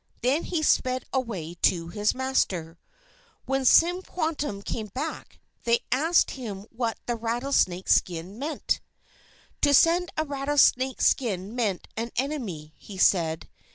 Then he sped away to his master. When Tisquantum came back, they asked him what the rattlesnake skin meant. To send a rattlesnake skin meant an enemy, he said.